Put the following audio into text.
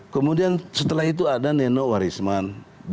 kemudian setelah itu ada neno warisman